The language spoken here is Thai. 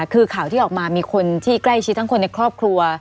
คือข่าวที่ออกมามีคนที่ใกล้ชิดทั้งคนในครอบครัว